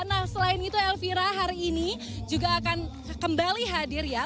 nah selain itu elvira hari ini juga akan kembali hadir ya